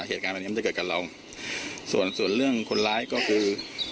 เหตุการณ์แบบนี้มันจะเกิดกับเราส่วนส่วนเรื่องคนร้ายก็คือ